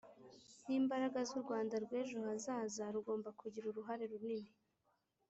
nk'imbaraga z'u rwanda rw'ejo hazaza rugomba kugira uruhare runini